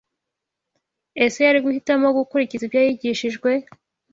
Ese yari guhitamo gukurikiza ibyo yigishijwe